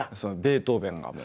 ベートーベンがもう。